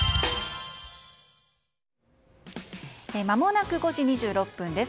まもなく５時２６分です。